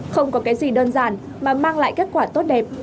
không có cái gì đơn giản mà mang lại kết quả tốt đẹp